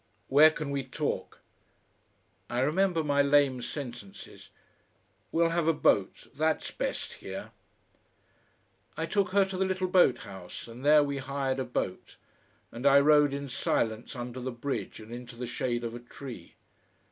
"Where can we talk?" I remember my lame sentences. "We'll have a boat. That's best here." I took her to the little boat house, and there we hired a boat, and I rowed in silence under the bridge and into the shade of a tree.